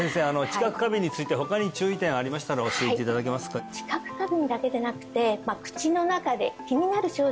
知覚過敏について他に注意点ありましたら教えていただけますか？